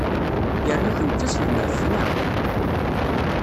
Yernu kemm d taselmadt, naɣ?